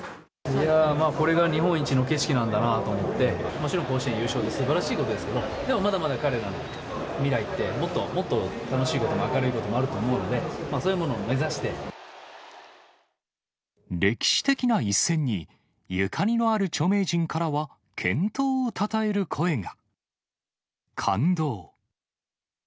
いやー、まあこれが日本一の景色なんだなって思って、もちろん、甲子園優勝はすばらしいことですけど、でもまだまだ彼らの未来って、もっともっと楽しいことも明るいこともあると思うので、そういう歴史的な一戦に、ゆかりのある著名人からは、健闘をたたえる声が。